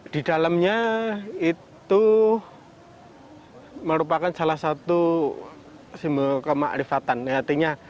di dalamnya itu merupakan salah satu simbol kematian